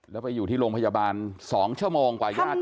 แล้วไปอยู่ที่โรงพยาบาล๒ชั่วโมงกว่าย่าจะรู้เปล่า